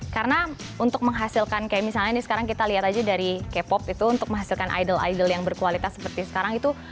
karena untuk menghasilkan kayak misalnya ini sekarang kita lihat aja dari k pop itu untuk menghasilkan idol idol yang berkualitas seperti sekarang itu